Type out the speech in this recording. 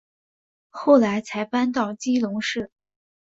后来才搬到基隆市。